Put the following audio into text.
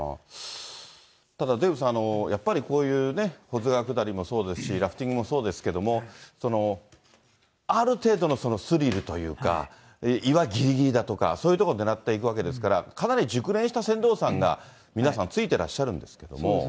ただデーブさん、やっぱりこういう保津川下りもそうですし、ラフティングもそうですけれども、ある程度のスリルというか、岩ぎりぎりだとか、そういう所を狙っていくわけですから、かなり熟練した船頭さんが皆さん、ついてらっしゃるんですけども。